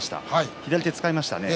左手を使いましたね。